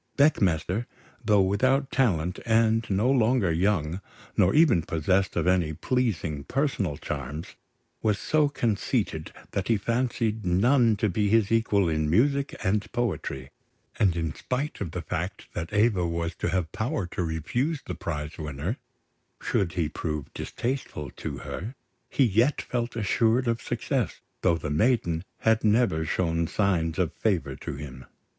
Beckmesser, though without talent, and no longer young, nor even possessed of any pleasing personal charms, was so conceited that he fancied none to be his equal in music and poetry; and in spite of the fact that Eva was to have power to refuse the prize winner, should he prove distasteful to her, he yet felt assured of success, though the maiden had never shown signs of favour to him.